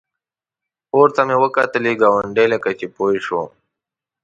پورته مې وکتلې ګاونډی لکه چې پوه شو.